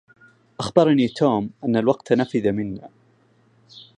أخبرني توم أن الوقت نَفَذَ منّا.